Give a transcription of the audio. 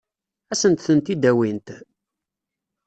Ad sent-tent-id-awint?